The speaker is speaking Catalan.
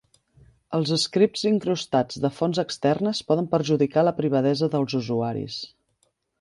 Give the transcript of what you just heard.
Els scripts incrustats de fonts externes poden perjudicar la privadesa dels usuaris.